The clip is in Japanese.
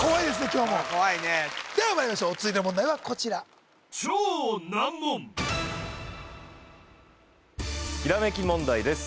今日も怖いねではまいりましょう続いての問題はこちらひらめき問題です